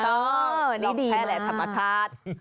ถูกต้องนี่ดีมากร่องแพ้และธรรมชาตินี่ดีมาก